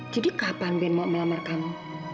jadi kapan ben mau melamar kamu